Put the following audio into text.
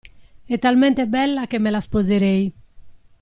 E' talmente bella che me la sposerei.